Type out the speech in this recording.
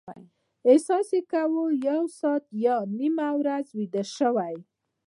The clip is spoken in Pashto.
احساس کاوه یو ساعت یا نیمه ورځ ویده شوي.